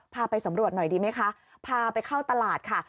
ไปสำรวจหน่อยดีไหมคะพาไปเข้าตลาดค่ะ